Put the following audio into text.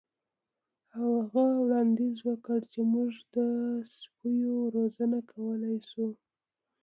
هغه وړاندیز وکړ چې موږ د سپیو روزنه کولی شو